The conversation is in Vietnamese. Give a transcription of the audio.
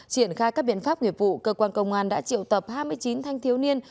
triển khai các biện pháp nghiệp vụ cơ quan công an đã triệu tập hai mươi chín thanh thiếu niên